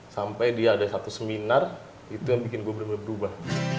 sampai dia ada satu seminar itu yang bikin gue bener bener berubah